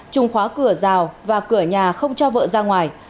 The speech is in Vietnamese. trùng khóa cửa rào và cửa nhà không cho vợ ra ngoài